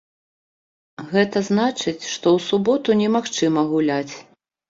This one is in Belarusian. Гэта значыць, што ў суботу немагчыма гуляць.